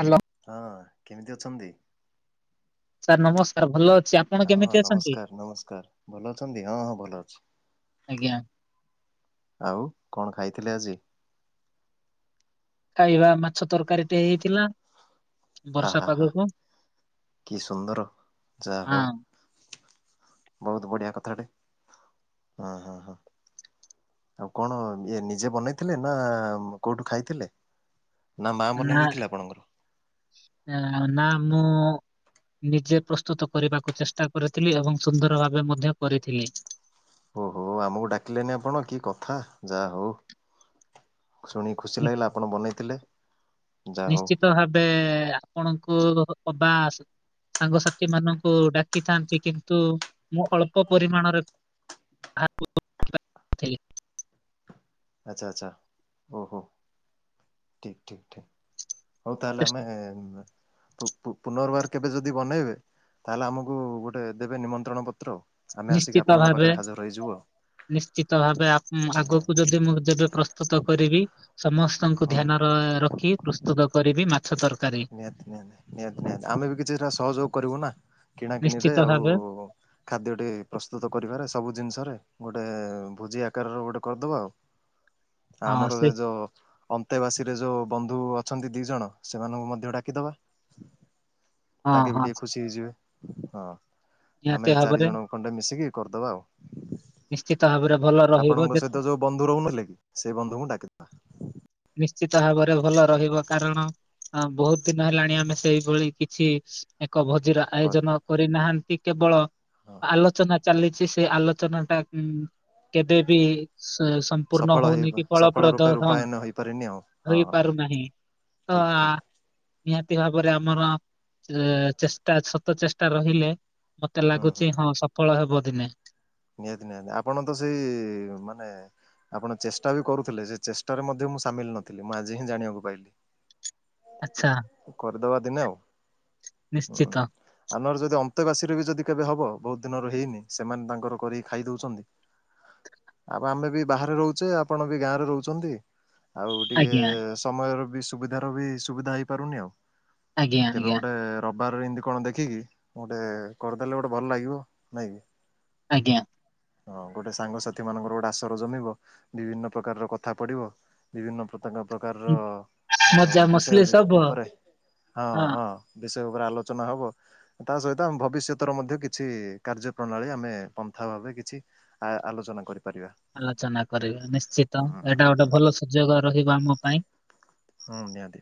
Hello. ହଁ କେମିତି ଅଛନ୍ତି? ସାର୍ ନମସ୍କାର ଭଲ ଅଛି ଆ ହଁ ନମସ୍କାର ନମସ୍କାର ଭଲ ଅଛନ୍ତି ହଁ ହଁ ଭଲ ଅଛି। ଆଜ୍ଞା ଆଉ କଣ ଖାଇଥିଲେ ଆଜି? ଖାଇବା ମାଛ ତରକାରୀ ଟେ ହେଇଥିଲା ବର୍ଷା ଆହା ହା ପାଗକୁ। କି ସୁନ୍ଦର ଯା ହଁ। ହଉ। ବହୁତ ବଢିଆ କଥାଟେ ହଁ ହଁ ହଁ। ଆଉ କଣ ଇଏ ନିଜେ ବନେଇଥିଲେ ନାଁ କୋଉଠୁ ଖାଇଥିଲେ? ନାଁ ମା ବନେଇ ଦେଇଥିଲେ ଆପଣଙ୍କର? ନାଁ ନାଁ ରାଣ ନାଁ ମୁଁ ନିଜେ ପ୍ରସ୍ତୁତ କରିବାକୁ ଚେଷ୍ଟା କରିଥିଲି ଏବଂ ସୁନ୍ଦର ଭାବେ ମଧ୍ୟ କରିଥିଲି। ଓ ହୋ ଆମକୁ ଡାକିଲେନି ଆପଣ କି କଥା ଯା ହଉ। ଶୁଣିକି ଖୁସି ନି- ଲାଗିଲା ଆପଣ ବନେଇଥିଲେ। ଯାହା ହଉ ନିଶ୍ଚିତ ଭାବେ ଆପଣଙ୍କୁ ଅ ଅବା ଆସେ। ସାଙ୍ଗସାଥି ମାନଙ୍କୁ ଡାକିଥାନ୍ତି କିନ୍ତୁ ମୁଁ ଅଳ୍ପ ପରିମାଣରେ ଭାବୁ। [inaudible] ଆଛା ଆଛା ଓ ହୋ ଠିକ୍ ଠିକ୍ ଠିକ୍। ହଉ ତାହେଲେ ଚେଷ୍- ଆମେ ଉଁ ପୁ ପୁ ପୁନର୍ବାର କେବେ ଯଦି ବନେଇବେ ତାହେଲେ ଆମକୁ ଗୋଟେ ଦେବେ ନିମନ୍ତ୍ରଣ ପତ୍ର ଆଉ। ଆମେ ଆସିକି ନିଶ୍ଚିତ ଆପଣଙ୍କ ଭାବେ ପାଖରେ ହାଜର ହେଇଯିବୁ ଆଉ। ନିଶ୍ଚିତ ଭାବେ ଆ ଉଁ ହଁ ହଁ ଆଗକୁ ଯଦି ମୁଁ ଯେବେ ପ୍ରସ୍ତୁତ କରିବି ସମସ୍ତଙ୍କୁ ହଁ ଧ୍ୟାନ ରେ ରଖି ପ୍ରସ୍ତୁତ କରିବି ମାଛ ତରକାରୀ। ନିହାତି ନିହାତି ନିହାତି ନିହାତି ନିହାତି ଆମେ ବି କିଛିଟା ସହଯୋଗ କରିବୁ ନାଁ କିଣା କିିଣିରେ ନିଶ୍ଚିତ ଆଉ ଭାବେ ଖାଦ୍ୟଟି ପ୍ରସ୍ତୁତ କରିବାରେ ସବୁ ଜିନିଷରେ ଗୋଟେ ଭୋଜି ଆକାରର ଗୋଟେ କରିଦବା ଆଉ। [inaudible] ଆମର ସେ ଯୋଉ ଅନ୍ତେବାସୀରେ ଯୋଉ ବନ୍ଧୁ ଅଛନ୍ତି ଦି ଜଣ ସେମାନଙ୍କୁ ମ ମଧ୍ୟ ଡାକିଦବା ହଁ ତାଙ୍କେ ବି ହଁ ଟିକେ ଖୁସି ହେଇଯିବେ ହଁ। ନିହାତି ଆମେ ଚାରି ଭାବରେ ଜଣ ଖଣ୍ଡେ ମିଶିକି କରିଦବା ଆଉ ନିଶ୍ଚିତ ଭାବରେ ଭଲ ରହିବ ଆପଣଙ୍କ ଯେ ସହିତ ଯୋଉ ବନ୍ଧୁ ରହୁନଥିଲେ କି ସେ ବନ୍ଧୁଙ୍କୁ ଡାକିଦବା। ନିଶ୍ଚିତ ଭାବରେ ଭଲ ରହିବ କାରଣ ହଁ ବହୁତ ଦିନ ହେଲାଣି ଆମେ ସେଇଭଳି କିଛି ଏକ ଭୋଜିର ଆ କରେ ଆୟୋଜନ କରିନାହାନ୍ତି କେବଳ ହଁ। ଆଲୋଚନା ଚାଲିଛି ସେ ଆଲୋଚନାଟା ଉଁ କେବେ ବି ସମ୍ପୂର୍ଣ୍ଣ ହଉନି କି ଫଳପ୍ରଦ ହଁ କରିନିଅ। ହୋଇ ପାରୁନାହିଁ। ତ ନିହାତି ଭାବରେ ଆମର ଚେଷ୍ଟା ସତ ଚେଷ୍ଟା ରହିଲେ ମତେ ହୁଁ ହୁଁ। ଲାଗୁଚ ହଁ ସଫଳ ହବ ଦିନେ। ନିହାତି ନିହାତି। ଆପଣ ତ ସେଇ ମାନେ ଆପଣ ଚେଷ୍ଟା ବି କରୁଥିଲେ। ସେ ଚେଷ୍ଟାରେ ମଧ୍ୟ ମୁଁ ସାମିଲ ନଥିଲି। ମୁଁ ଆଜି ହିଁ ଜାଣିବାକୁ ପାଇଲି। [inaudible] ଆଚ୍ଛା। କରିଦବା ଦିନେ ଆଉ। ହୁଁ। ନିଶ୍ଚିତ ଆମର ଯଦି ଅନ୍ତେବାସୀ ରେ ବି ଯଦି କେବେ ହବ, ବହୁତ ଦିନରୁ ହେଇନି ସେମାନେ ତାଙ୍କର କରିକି ଖାଇ ଦଉଛନ୍ତି। ଆଉ ଆମେ ବି ବାହାରେ ରହୁଛେ, ଆପଣ ବି ଗାଁ ରେ ରହୁଛନ୍ତି। ଆଉ ଟିକେ ଆଜ୍ଞା ସମୟର ବି ସୁବିଧାର ବି ସୁବିଧା ହେଇପାରୁନି ଆଉ। ଆଜ୍ଞା କେବେ ଆଜ୍ଞା ଗୋଟେ ରବିବାର ରେ ଏମତି କଣ ଦେଖିକି ଗୋଟେ କରିଦେଲେ ଗୋଟେ ଭଲ ଲାଗିବ। ନାହିଁ କି? ଆଜ୍ଞା। ହଁ ଗୋଟେ ସାଙ୍ଗ ସାଥି ମାନଙ୍କର ଗୋଟେ ଆସର ଜମିବ। ବିଭିନ୍ନ ପ୍ରକାରର କଥା ପଡ଼ିବ। ବିଭିନ୍ନ [unintelligible] ପ୍ରକାରର ଉଁ, ମଜା ମସଲି ବିଷୟ ସବୁ ହଁ ଉପରେ। ହଁ-ହଁ। ବିଷୟ ଉପରେ ଆଲୋଚନା ହବ। ତା ସହିତ ଆମ ଭବିଷ୍ୟତର ମଧ୍ୟ କିଛି କାର୍ଯ୍ୟ ପ୍ରଣାଳୀ ଆମେ ପନ୍ଥା ଭାବେ କିଛି ଆ-ଆଲୋଚନା କରିପାରିବା। ଆଲୋଚନା କରିବା ନିଶ୍ଚିତ। ହୁଁ ଏଇଟା ହୁଁ ଗୋଟେ ଭଲ ସୁଯୋଗ ରହିବ ଆମ ପାଇଁ। ହଁ ନିହାତି।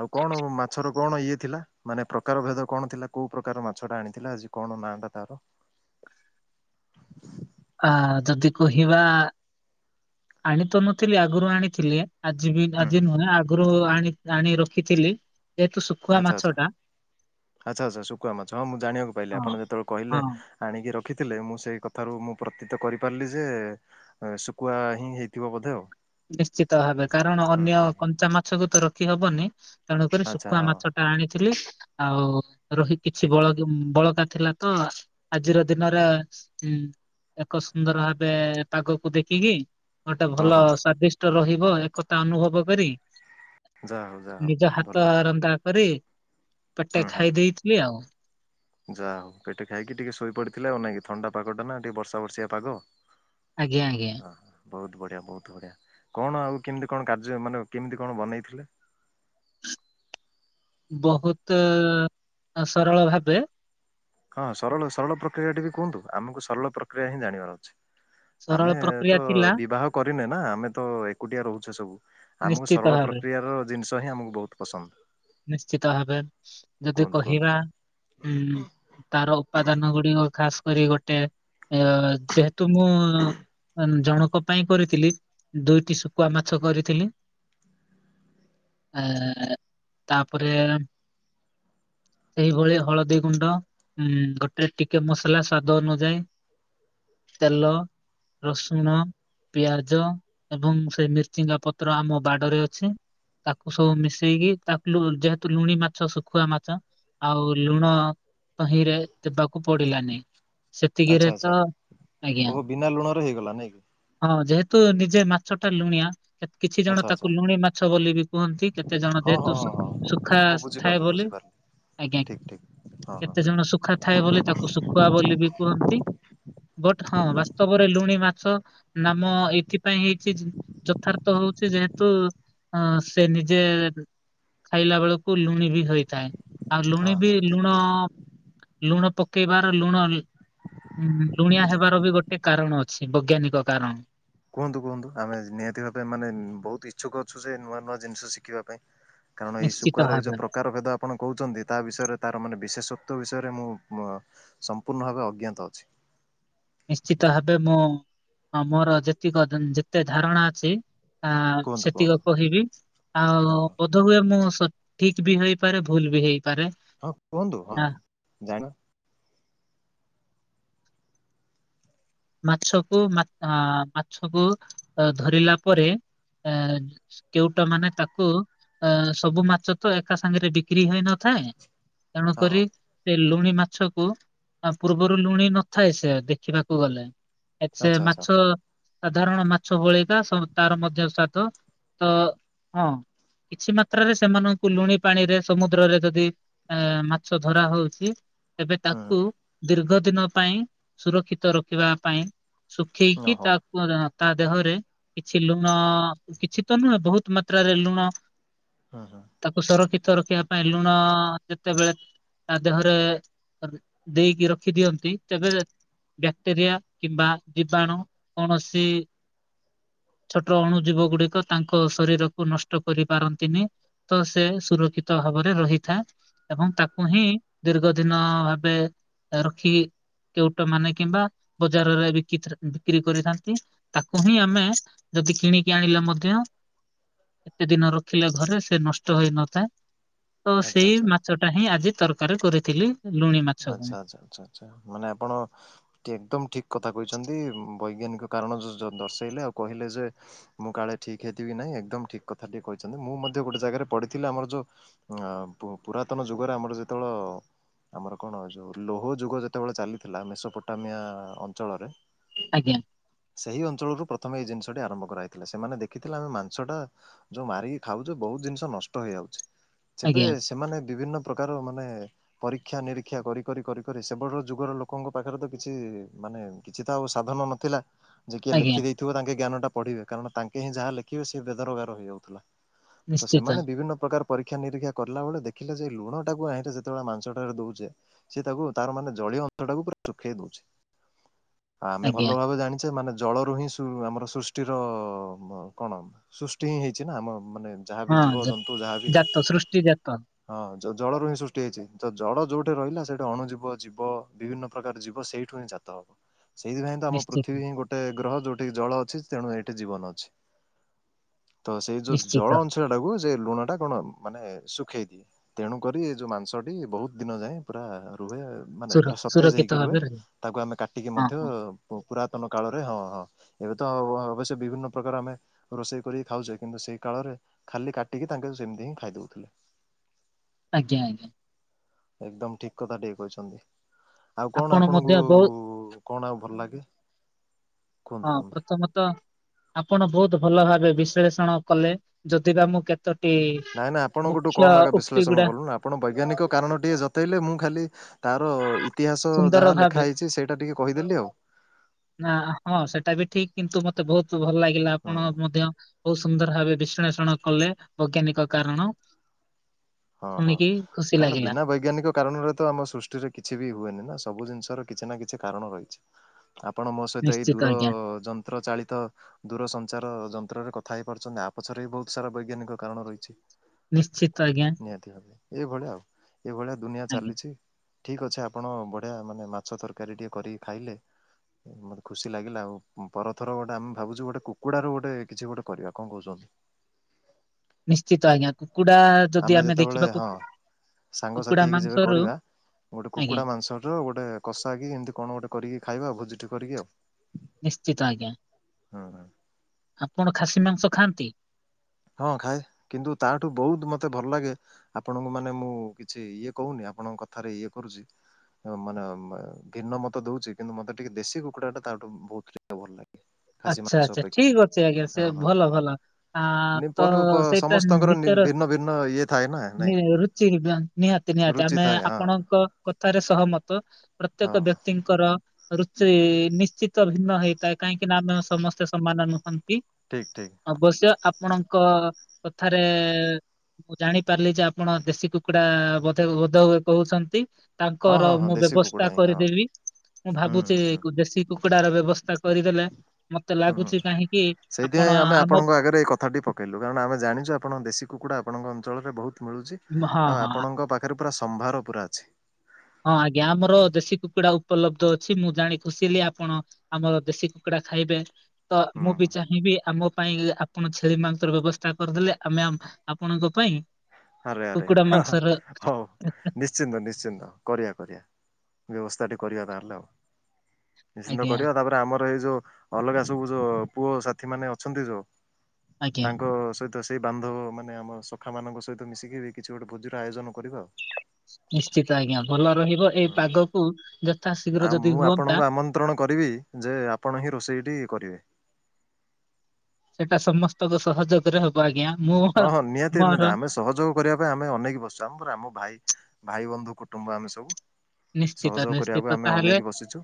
ଆଉ କଣ ମାଛର କଣ ଇଏ ଥିଲା ମାନେ ପ୍ରକାର ଭେଦ କଣ ଥିଲା? କୋଉ ପ୍ରକାର ମାଛ ଟା ଆଣିଥିଲା ଆଜି କଣ ନାଁ ଟା ତାର? ଆ ଯଦି କହିବା, ଆଣି ତ ନଥିଲି ଆଗରୁ ଆଣିଥିଲି। ଆଜି ବି ହୁଁ ଆଜି ହୁଁ ନୁହେଁ ଆଗରୁ ଆଣି-ଆଣି ରଖିଥିଲି। ଯେହେତୁ ଶୁଖୁଆ ମାଛ ଟା ଆଚ୍ଛା-ଆଚ୍ଛା-ଆଚ୍ଛା-ଆଚ୍ଛା, ଶୁଖୁଆ ମାଛ। ହଁ ମୁଁ ଜାଣିବାକୁ ପାଇଲି ହଁ ଆପଣ ଯେତେବେଳେ କହିଲେ ହଁ ଆଣିକି ରଖିଥିଲେ ମୁଁ ସେଇ କଥାରୁ ମୁଁ ପ୍ରତୀତ କରିପାରିଲି ଯେ ଶୁଖୁଆ ହିଁ ହେଇଥିବ ବୋଧେ ଆଉ। ନିଶ୍ଚିତ ଭାବେ। କାରଣ ହୁଁ ଅନ୍ୟ ହୁଁ କଞ୍ଚା ମାଛକୁ ତ ରଖି ହବନି। ତେଣୁକରି ଆଚ୍ଛା ଶୁଖୁଆ ହଁ ମାଛ ଆଣିଥିଲି ଆଉ ରୋହୀ କିଛି ଠିକ୍ ଠିକ୍ ବଳକା ଥିଲା ତ ଆଜିର ଦିନରେ ଉଁ ଏକ ସୁନ୍ଦର ଭାବେ ପାଗକୁ ଦେଖିକି ଗୋଟେ ହଁ ଭଲ ହଉ ସ୍ଵାଦିଷ୍ଟ ରହିବ ଏକଥା ଅନୁଭବ କରି ଯାହା ହଉ ଯାହା ନିଜ ହଉ ଭଲ ହାତ ଭଲ ରନ୍ଧା କରି ପେଟେ ଖାଇ ଦେଇଥିଲି ଆଉ। ଯା ହଉ ପେଟ ଖାଇକି ଟିକେ ଶୋଇ ପଡିଥିଲେ ଆଉ ନାଇଁ କି କି, ଥଣ୍ଡା ପାଗ ଟା ନା ଟିକେ ବର୍ଷା ବର୍ଷିଆ ପାଗ। ଆଜ୍ଞା ଆଜ୍ଞା। ହଁ ବହୁତ ବଢ଼ିଆ ବହୁତ ବଢ଼ିଆ। କଣ ଆଉ କେମିତି କଣ କାର୍ଯ୍ୟ ମାନେ କେମିତି କଣ ବନେଇ ଥିଲେ? ବହୁତ ସରଳ ଭାବେ। ହଁ ସରଳ ସରଳ ପ୍ରକ୍ରିୟା ଟି ବି କୁହନ୍ତୁ, ଆମକୁ ସରଳ ପ୍ରକ୍ରିୟା ହିଁ ଜାଣିବାର ଅଛି। ସରଳ ଆମେ ପ୍ରକ୍ରିୟା ତ ଥିଲା ବିବାହ ନେ ନା ଆମେ ତ ଏକୁଟିଆ ରହୁଛେ ସବୁ। ଆମକୁ ନିଶ୍ଚିତ ସରଳ ଭାବେ ପ୍ରକ୍ରିୟା ର ଜିନିଷ ହିଁ ଆମକୁ ବହୁତ ପସନ୍ଦ। ନିଶ୍ଚିତ ଭାବେ। ଯଦି କୁହନ୍ତୁ କୁହନ୍ତୁ। କହିବା ଉଁ ତାର ଉପାଦାନ ଗୁଡ଼ିକ ଖାସ କରି ଗୋଟେ ଅ ଯେହେତୁ ମୁଁ ଆଁ ଜଣଙ୍କ ପାଇଁ କରିଥିଲି ଦୁଇଟି ଶୁକୁଆ ମାଛ କରିଥିଲି। ଆଁ ତାପରେ ସେଇଭଳି ହଳଦୀ ଗୁଣ୍ଡ। ହୁଁ ଗୋଟେ ଟିକେ ମସଲା ସ୍ଵାଦ ଅନୁଯାୟୀ ତେଲ ରସୁଣ ପିଆଜ ଏବଂ ସେ ମିର୍ଚିଙ୍ଗା ପତ୍ର ଆମ ବାଡରେ ଅଛି। ତାକୁ ସବୁ ମିଶେଇକି ତା ଲୁ ଯେହେତୁ ଲୁଣି ମାଛ ଶୁଖୁଆ ମାଛ ଆଉ ଲୁଣ ତହିଁରେ ଦେବାକୁ ପଡିଲାନି ସେତିକିରେ ତ ଆଜ୍ଞା। ପରେ ହେଇଗଲା ନାଇଁ କି। ହଁ ଯେହେତୁ ନିଜେ ମାଛଟା ଲୁଣିଆ କେତ୍ କିଛି ଜଣ ଆଚ୍ଛା ତାକୁ ଆଚ୍ଛା ଲୁଣି ମାଛ ବୋଲି ବି କୁହନ୍ତି କେତେ ଜଣ ହଁ ହଁ ଯେହେତୁ ହଁ ଶୁ ହଁ। ଶୁଖା ମୁଁ ଆସଥାଏ ବୁଝିପାରିଲି ବୋଲି ବୁଝିପାରିଲି ଆଜ୍ଞା। ଠିକ ଠିକ ହଁ ହଁ କେତେ ଜଣ ଶୁଖା ଥାଏ ବୋଲି ତାକୁ ଶୁଖୁଆ ବୋଲି ବି କୁହନ୍ତି। ବଟ୍ ହଁ ବାସ୍ତବରେ ଲୁଣି ମାଛ ନାମ ଏଇଥିପାଇଁ ହେଇଛି ଯ ଯଥାର୍ଥ ହଉଛି ଯେହେତୁ ଅ ସେ ନିଜେ ଖାଇଲା ବେଳୁକୁ ଲୁଣି ବି ହେଇଥାଏ ଆଉ ହଁ ଲୁଣି ହଁ ବି ଠିକ ଲୁଣ ଠିକ। ଲୁଣ ପକେଇବାର ଲୁଣ ଉଁ ହୁଁ ଲୁଣିଆ ହେବାର ବି ଗୋଟେ କାରଣ ଅଛି ବଗ୍ୟାନିକ କାରଣ। କୁହନ୍ତୁ କୁହନ୍ତୁ ଆମେ ଜ୍ ନିହାତି ଭାବେ ମାନେ ଉଁ ବୋହୁତୁ ଇଚ୍ଛୁକ ଅଛୁ ଯେ ନୂଆ ନୂଆ ଜିନିଷ ଶିଖିବା ପାଇଁ। କାରଣ ଏଇ ନିଶ୍ଚିତ ଶୁକୁଆର ଏଇ ଭାବେ। ଯୋଉ ପ୍ର କାର ଭେଦ ଆପଣ କହୁଛନ୍ତି ତା ବିଷୟରେ ତାର ମାନେ ବିଶେଷତ୍ୱ ବିଷୟରେ ମୁଁ ମ ସମ୍ପୂର୍ଣ୍ଣ ଭାବେ ଅଜ୍ଞାତ ଅଛି। ନିଶ୍ଚିତ ଭାବେ ମୋ ଅ ମୋର ଯେତିକ ଧନ୍ ଯେତେ ଧାରଣା ଅଛି ଆ କୁହନ୍ତୁ ସେତିକ କୁହନ୍ତୁ କହିବି ଆଉ ହଁ ହଁ ବୋଧ୍ ଧୋ ହୁଏ ମୁଁ ସଠିକ୍ ବି ହେଇପାରେ ଭୁଲ୍ ବି ହେଇପାରେ। ହଁ କୁହନ୍ତୁ ହଁ ଆ ଜାଣ ମାଛକୁ ମା ଆ ମାଛକୁ ଆ ଧରିଲା ପରେ ଏ କେଉଟମାନେ ତାକୁ ଆ ସବୁ ମାଛ ତ ଏକା ସାଙ୍ଗେରେ ବିକ୍ରି ହେଇ ନ ଥାଏଁ ହଁ ହଁ ତେଣୁକରି ସେ ଲୁଣି ମାଛକୁ ଆ ପୂର୍ବରୁ ଲୁଣି ନଥାଏ ସେ ଦେଖିବାକୁ ଗଲେ। ଏ ଛେ ଆଚ୍ଛା ଆଚ୍ଛା ମାଛ ସାଧାରଣ ମାଛ ଭଳିକା ସବୁ ତାର ମଧ୍ୟ ସ୍ୱାଦ ତ ହଁ କିଛି ମାତ୍ରାରେ ସେମାନଙ୍କୁ ଲୁଣି ପାଣିରେ ସମୁଦ୍ରରେ ଯଦି ଏ ମାଛ ଧରା ହଉଛି ତେବେ ତାକୁ ହୁଁ ଦୀର୍ଘ ଦିନ ପାଇଁ ସୁରକ୍ଷିତ ରଖିବା ପାଇଁ ଶୁଖେଇକି ଓହୋ ତାକୁ ଦେ ହଁ ତା ଦେହରେ କିଛି ଲୁଣ ଉଁ କିଛି ତ ନୁହେଁ ବୋହୁତ ମାତ୍ରାରେ ଲୁଣ ହଁ ହଁ। ତାକୁ ସୁରକ୍ଷିତ ରଖିବା ପାଇଁ ଲୁଣ ଯେତେବେଳେ ତା ଦେହରେ [inaudible] ଦେଇକି ରଖି ଦିଅନ୍ତି ତେବେ ବ୍ୟାକ୍ଟେରିଆ କିମ୍ବା ଜୀବାଣୁ କୌଣସି ଛୋଟ ଅଣୁଜୀବଗୁଡିକ ତାଙ୍କ ଶରୀରକୁ ନଷ୍ଟ କରି ପାରନ୍ତିନି। ତ ସେ ସୁରକ୍ଷିତ ଭାବରେ ରହିଥା ଏବଂ ତାକୁ ହିଁ ଦୀର୍ଘ ଦିନ ଭାବେ ରଖିକି କେଉଟ ମାନେ କିମ୍ବା ବଜାରରେ ବିକିତ୍ର ବିକ୍ରି କରିଥାନ୍ତି। ତାକୁ ହିଁ ଆମେ ଯଦି କିଣିକି ଆଣିଲେ ମଧ୍ୟ ଏତେ ଦିନ ରଖିଲେ ଘରେ ସେ ନଷ୍ଟ ହେଇନଥାଏ। ତ ଆଚ୍ଛା ସେଇ ଆଚ୍ଛା। ମାଛ ଟା ହିଁ ଆଜି ତରକାରୀ କରିଥିଲି। ଲୁଣି ମାଛକୁ ଆଚ୍ଛା ଆଚ୍ଛା ଆଛା ଆଛା ମାନେ ଆପଣ ଟି ଏକଦମ ଠିକ କଥା କହିଚନ୍ତି। ବୈଜ୍ଞାନିକ କାରଣ ଜ ଦ ଦର୍ଶେଇଲେ ଆଉ କହିଲେ ଯେ ମୁଁ କାଳେ ଠିକ୍ ହେଇଥିବି କି ନାଇଁ? ଏକଦମ ଠିକ କଥା ଟି କହିଚନ୍ତି। ମୁଁ ମଧ୍ୟ ଗୋଟେ ଜାଗାରେ ପଢିଥିଲି ଆମର ଯୋଉ ପୁରାତନ ଯୁଗରେ ଆମର ଯେତେବେଳେ ଆମର କଅଣ ଯୋଉ ଲୋହ ଯୁଗ ଯେତେବେଳେ ଚାଲିଥିଲା ମେସୋପୋଟାମିଆ ଅଞ୍ଚଳରେ ଆଜ୍ଞା। ସେହି ଅଞ୍ଚଳରୁ ପ୍ରଥମେ ଏଇ ଜିନିଷଟି ଆରମ୍ଭ କରାଇଥିଲା ସେମାନେ ଦେଖିଥିଲେ ଆମେ ମାଂସଟା ଯୋଉ ମାରିକି ଖାଉଚେ ବହୁତ ଜିନିଷ ନଷ୍ଟ ହେଇଯାଉଚି। ସେବେ ଆଜ୍ଞା ସେମାନେ ବିଭିନ୍ନ ପ୍ରକାର ମାନେ ରୀକ୍ଷା ନିରୀକ୍ଷା କରି କରି କରି କରି ସେଭଳର ଯୁଗର ଲୋକଙ୍କ ପାଖରେ ତ କିଛି ମାନେ କିଛି ତ ଆଉ ସାଧନ ନଥି ଥିଲା। ଯେ କିଏ ଆଜ୍ଞା ଲେଖି ଦେଇଥିବ ତାଙ୍କେ ଜ୍ଞାନ ଟା ପଢିବେ କାରଣ ତାଙ୍କେ ହିଁ ଯହା ଲେଖିବେ ସେଏ ବେଦରଗାର ହେଇଯାଉଥିଲା। ତ ନିଶ୍ଚିତ ସେମାନେ ବିଭିନ୍ନ ପ୍ରକାର ପରୀକ୍ଷା ନିରୀକ୍ଷା କଲା ବେଳେ ଦେଖିଲେ ଯେ ଲୁଣ ଟାକୁ ଆଣିଲେ ଯେତେବେଳେ ମାଂସ ଟାରେ ଦଉଚେ ସେତାକୁ ତାର ମାନେ ଜଳୀୟ ଅଂଶ ଟାକୁ ପୁରା ସୁଖେଇ ଦଉଚି। ଆମେ ଆଜ୍ଞା ଭଲ ଭାବେ ଜାଣିଚେ ମାନେ ଜଳରୁ ହିଁ ଆମର ସୃଷ୍ଟିର କଣ ସୃଷ୍ଟି ହିଁ ହେଇଚି ନା ଆମ ମାନେ ଯାହାବି ହଁ ଜୀବ ଜ- ଜନ୍ତୁ ଯାହାବି ଜାତ ସୃଷ୍ଟି ଜାତ। ହଁ ଜ ଜଳରୁ ହିଁ ସୃଷ୍ଟି ହେଇଚି। ତ ଜଳ ଯୋଉଠି ରହିଲା ସେଇଟା ଅଣୁ ଜୀବ ଜୀବ ବିଭିନ୍ନ ପ୍ରକାର ଜୀବ ସେଇଠୁ ହିଁ ଜାତ ହବ। ସେଇଥିପାଇଁ ତ ଆମ ନିଶ୍ଚିତ ପୃଥିବୀ ହିଁ ଗୋଟେ ଗ୍ରହ ଯୋଉଠି କିି ଜଳ ଅଛି ତେଣୁ ଏଇଠି ଜୀବନ ଅଛି। ତ ସେଇ ଯୋଉ ନିଶ୍ଚିତ ଜଳ ଅଂଶ ଟାକୁ ଲୁଣ ଟା କଣ ମାନେ ଶୁଖେଇଦିଏ। ତେଣୁ କରି ଯୋଉ ମାଂସ ଟି ବହୁତ ଦିନ ଯାଏଁ ପୁରା ରୁହେ ମାନେ ସୁର ପୁରା ସତେଜ ସୁରକ୍ଷିତ ହେଇକି ରୁହେ ଭାବେ ରହିବ ତାକୁ ଆମେ କାଟିକି ହଁ ମଧ୍ୟ ହଁ ପୁରାତନ କାଳରେ ହଁ ହଁ। ଏବେ ତ ଅବଶ୍ୟ ବିଭିନ୍ନ ପ୍ରକାର ଆମେ ରୋଷେଇ କରିକି ଖାଉଚେ। କିନ୍ତୁ ସେଇ କାଳରେ ଖାଲି କାଟିକି ତାଙ୍କେ ସେମିତି ହିଁ ଖାଇଦଉଥିଲେ। ଆଜ୍ଞା ଆଜ୍ଞା। ଏକଦମ୍ ଠିକ କଥା ଟିଏ କହିଚନ୍ତି। ଆଉ କଣ ଆପଣ ମଧ୍ୟ ଆପଣଙ୍କୁ ବହୁତ କଣ ଆଉ ଭଲ ଲାଗେ? କୁହନ୍ତୁ ହଁ କୁହନ୍ତୁ? ପ୍ରଥମତଃ ଆପଣ ବହୁତ ଭଲ ଭାବେ ବିଶ୍ଳେଷଣ କଲେ ଯଦି ବା ମୁଁ କେ ତୋଟି ନାଇଁ ନାଇଁ ଆପଣଙ୍କଠୁ କମ୍ ଆଗ ବିଶ୍ଳେଷଣ କଲୁନା ଆ ଆପଣ ବୈଜ୍ଞାନିକ କାରଣଟିଏ ଜତେଇଲେ ମୁଁ ଖାଲି ତାର ଇ ତିହାସ ସୁନ୍ଦର ଯାହା ଭାବେ ଲେଖା ହେଇଚି ସେଇଟା ଟିକେ କହିଦେଲି ଆଉ। ନା ହଁ ସେଟା ବି ଠିକ କିନ୍ତୁ ମତେ ବହୁତ ଭଲ ଲାଗିଲା ହୁଁ ଆପଣ ମଧ୍ୟ ବହୁ ସୁନ୍ଦର ଭାବେ ବିଶ୍ଳେଷଣ କଲେ ବୈଜ୍ଞାନିକ କାରଣ। ହଁ ହଁ ଶୁଣିକି ଖୁସି କାରଣ ଲାଗିଲା ବିନା ବୈଜ୍ଞାନିକ କାରଣରେ ତ ଆମ ସୃଷ୍ଟିରେ କିଛି ବି ହୁଏନି ନା ସବୁ ଜିନିଷର କିଛି ନା କିଛି କାରଣ ରହିଚି। ଆପଣ ମୋ ସହିତ ଏଇ ନିଶ୍ଚିତ ଦୂର ଆଜ୍ଞା ଯନ୍ତ୍ର ଚାଳିତ ଦୂରସଂଚାର ଯନ୍ତ୍ରରେ କଥା ହେଇ ପାରୁଚନ୍ତି ଆ ପଛରେ ବି ବହୁତ ସାରା ବୈଜ୍ଞାନିକ କାରଣ ରହିଚି। ନିଶ୍ଚିତ ଆଜ୍ଞା। ନିହାତି ଭାବେ ଏଇଭଳିଆ ଆଉ ଏଇଭଳିଆ ଦୁନିଆ ଆଜ୍ଞା। ଚାଲିଛି। ଠିକ୍ ଅଛେ ଆପଣ ବଢ଼ିଆ ମାନେ ମାଛ ତରକାରୀ ଟିକେ କରିକି ଖାଇଲେ ମୋତେ ଖୁସି ଲାଗିଲା ଆଉ ପର ଥର ଗୋଟେ ଆମେ ଭାବୁଚୁ ଗୋଟେ କୁକୁଡ଼ାରୁ ଗୋଟେ କିଛି ଗୋଟେ କରିବା କଣ କହୁଚନ୍ତି? ନିଶ୍ଚିତ ଆଜ୍ଞା କୁକୁଡା ଯଦି ଆମେ ଯେତେବେଳେ ଦେଖିବାକୁ ହଁ ସାଙ୍ଗସାଥି ହେଇକି ଯେବେ କରିବା ଗୋଟେ ଆଜ୍ଞା କୁକୁଡ଼ା ମାଂସର ଗୋଟେ କଷାକି ଏମିତି କଣ ଗୋଟେ କରିକି ଖାଇବାଆଉ ଭୋଜିଟି କରିକି ଆଉ। ନିଶ୍ଚିତ ଆଜ୍ଞା ହୁଁ ହୁଁ। ଆପଣ ଖାସି ମାଂସ ଖାଆନ୍ତି? ହଁ ଖାଏ କିନ୍ତୁ ତାଠୁ ବହୁତ୍ ମୋତେ ଭଲ ଲାଗେ ଆପଣଙ୍କୁ ମାନେ ମୁଁ କିଛି ଇଏ କହୁନି ଆପଣଙ୍କ କଥାରେ ଇଏ କରୁଚି ଏ ମାନେ ଘିନ୍ନ ମତେ ଦଉଚି କିନ୍ତୁ ମତେ ଟିକେ ଦେଶୀ କୁକୁଡ଼ା ଟାତାଠୁ ବହୁତ୍ ଭଲ ଲାଗେ। ଖାସି ଆଚ୍ଛା ମାଂସ ଆଚ୍ଛା ଅପେକ୍ଷା ଠିକ୍ ଅଛି ଆଜ୍ଞା ସେ ହଁ ଭଲ ଭଲ ଆ ତ ହଁ ପର ସେଇଟା ସମସ୍ତଙ୍କର ନିତର ଭିନ୍ନ ଭିନ୍ନ ଇଏ ଥାଏ ନା ନେ ନାଇଁ କି ରୁଚି ବ୍ଲାନ୍। ନିହାତି ନିହାତି ରୁଚି ଆମେ ଥାଏ ହଁ ଆପଣଙ୍କ କଥାରେ ସହମତ ହଁ ପ୍ରତ୍ୟେକ ବ୍ୟକ୍ତି ଙ୍କର ରୁଚି ନିଶ୍ଚିତ ଭିନ୍ନ ହେଇଥାଏ କାହିଁକିନା ଆମେ ସମସ୍ତେ ସମାନ ନୁହନ୍ତି। ଠିକ୍ ଠିକ୍। ଅବଶ୍ୟ ଆପଣଙ୍କ କଥାରେ ମୁଁ ଜାଣିପାରିଲି ଯେ ଆପଣ ଦେଶୀ କୁକୁଡ଼ା ବଧ ବୋଧ ହୁଏ କହୁଛନ୍ତି। ହଁ ତାଙ୍କର ହଁ ହଁ ମୁଁ ଦେଶୀ ବ୍ୟବସ୍ଥା କୁକୁଡ଼ା ହିଁ ହଁ କରିଦେବି ମୁଁ ହୁଁ ଭାବୁଚି ହୁଁ କୁ ଦେଶୀ କୁକୁଡ଼ାର ବ୍ୟବସ୍ଥା କରିଦେଲେ ମତେ ହୁଁ ଲାଗୁଚି ହୁଁ। କାହିଁକି ସେଇଥିପାଇଁ ଆପଣ ଆମେ ଆମ ଆପଣଙ୍କ ଆଗରେ ଏଇ କଥାଟି ପ ଇଲୁ କାରଣ ଆମେ ଜାଣିଚୁ ଆପଣ ଦେଶୀକୁକୁଡ଼ା ଆପଣଙ୍କ ଅଞ୍ଚଳରେ ବହୁତ୍ ମିଳୁଚି ହଁ ହଁ ଆଉ ହଁ ଆପଣଙ୍କ ପାଖ ରେ ପୁରା ସମ୍ଭାର ପୁରା ଅଛି। ହଁ ଆଜ୍ଞା ଆମର ଦେଶୀ କୁକୁଡ଼ା ଉପଲବ୍ଧ ଅଛି ମୁଁ ଜାଣି ଖୁସିିଲି ଆପଣ ଆମର ଦେଶୀ କୁକୁଡ଼ା ଖାଇବେ ତ ହୁଁ ମୁବି ଚାହିଁବି ଆମ ପାଇଁ ଆ ଆପଣ ଛେଳି ମାଂସର ବ୍ୟବସ୍ଥା କରିଦେଲେ ଆମେ ଆପଣଙ୍କ ପାଇଁ ଆରେ ଆରେ କୁକୁଡା ହ ହ ମାଂସର ହଉ ନିଚ୍ ନିଶ୍ଚିନ୍ତ ନିଶ୍ଚିନ୍ତ କରିବା କରିବା ବ୍ୟବସ୍ଥାଟି କରିବା ତାହେଲେ ଆଉ। ନିଶ୍ଚିନ୍ତ ଆଜ୍ଞା କରିବା ତାପରେ ଆମର ଏଇ ଯୋଉ ଅଲଗା ସବୁ ଯୋଉ ପୁଅ ସାଥି ମାନେ ଅଛନ୍ତି ଯୋଉ ଆଜ୍ଞା। ତାଙ୍କ ସହିତ ସେଇ ବାନ୍ଧବ ମାନେ ଆମ ସଖା ମାନଙ୍କ ସହିତ ତ ମିଶିକିବି କିଛି ଗୋଟେ ଭୋଜିର ଆୟଜନ କରିବା ଆଉ। ନିଶ୍ଚିତ ଆଜ୍ଞା ଭଲ ରହିବ ଏଇ ହୁଁ। ପାଗକୁ ଯଥା ଶୀଘ୍ର ଯଦି ହୁଅନ୍ତା ଆନ୍ତ୍ରଣ କରିବି ଯେ ଆପଣହିଁ ରୋଷେଇଟି କରିବେ। ସେଟା ସମସ୍ତଙ୍କ ସହଯୋଗରେ ହବ ଆଜ୍ଞା ହଁ ମୋହର ହଁ ନିହାତି ନିହାତି ମୋର ଆମେ ସହଯୋଗ କରିବା ପାଇଁ ଆମେ ଅନେକ ବସିଚୁ ଆମ ଆମ ଭାଇ ଭାଇ ବନ୍ଧୁ କୁଟୁମ୍ବ ଆମେ ସବୁ। ନିଶ୍ଚିତ ସହଯୋଗ କରିବାକୁ ନିଶ୍ଚିତ ଆମେ ତାହେଲେ ଅନେଇକି ବସିଛୁ।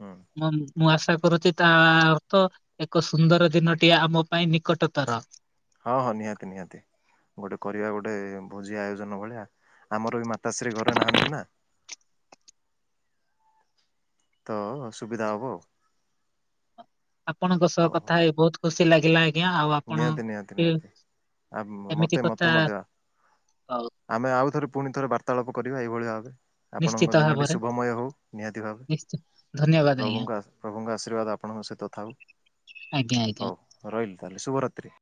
ହୁଁ ମୁ ମୁଁ ଆଶା କରୁଚି ତା ଅର୍ଥ ଏକ ସୁନ୍ଦର ଦିନଟିଏ ଆମ ପାଇଁ ନିକଟତର। ହଁ ହଁ ନିହାତି ନିହାତି। ଗୋଟେ କରିବା ଗୋଟେ ଭୋଜି ଆୟୋଜନ ଭଳିଆ ଆମରବି ମାତାଶ୍ରୀ ଘରେ ନାହାନ୍ତିନା। ତଅ ସୁବିଧା ହବ ଆଉ। ଆପଣଙ୍କ ସହ ହଉ ହଉ। କଥା ହେଇ ବହୁତ୍ ଖୁସି ଲାଗିଲା। ଆଜ୍ଞା ଆଉ ଆପଣ ନିହାତି ନିହାତି କେ ନିହାତି ଆ ମତେ ଏମିତି ମତେ କଥା ମଧ୍ୟ ହଉ। ଆମେ ଆଉ ଥରେ ପୁଣି ଥରେ ବାର୍ତ୍ତାଳାପ କରିବା ଏଇଭଳି ଭାବେ। ନିଶ୍ଚିତ ଆପଣଙ୍କ ଦିନଟି ଭାବରେ ଶୁଭମୟ ହଉ ନିହାତି ଭାବେ। ନିଶ୍ଚ ଧନ୍ୟବାଦ ଆଜ୍ଞା ପ୍ରଭୁଙ୍କ ଆ ପ୍ରଭୁଙ୍କ ଆଶୀର୍ବାଦ ଆପଣଙ୍କ ସହିତ ଥାଉ ଆଜ୍ଞା ଆଜ୍ଞା ହଉ। ରହିଲି ତାହେଲେ ଶୁଭ ରାତ୍ରୀ।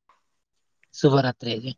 ଶୁଭ ରାତ୍ରୀ ଆଜ୍ଞା।